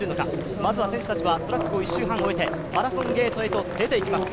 まずは選手たちはトラックを１周半終えてマラソンゲートへと出ていきます。